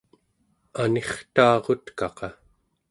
anirtaarutkaqa